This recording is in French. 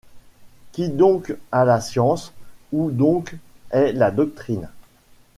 Qui donc a la science? où donc est la doctrine ?